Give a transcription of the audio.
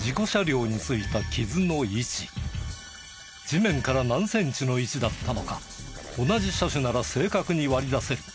地面から何センチの位置だったのか同じ車種なら正確に割り出せる。